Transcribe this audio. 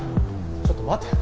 ちょっと待てよ。